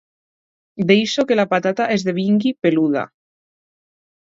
Deixo que la patata esdevingui peluda.